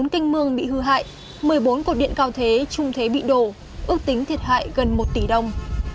bốn canh mương bị hư hại một mươi bốn cột điện cao thế trung thế bị đổ ước tính thiệt hại gần một tỷ đồng